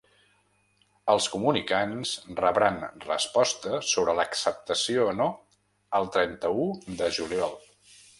Els comunicants rebran resposta sobre l’acceptació o no el trenta-u de juliol.